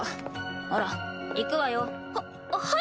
ほら行くわよ。ははい。